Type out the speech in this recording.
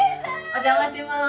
お邪魔します。